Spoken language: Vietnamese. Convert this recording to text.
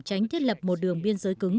tránh thiết lập một đường biên giới cứng